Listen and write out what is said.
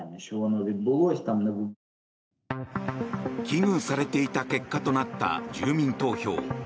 危惧されていた結果となった住民投票。